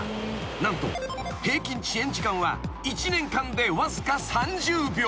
［何と平均遅延時間は１年間でわずか３０秒］